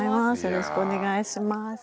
よろしくお願いします。